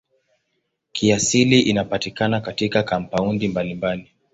Kiasili inapatikana katika kampaundi mbalimbali.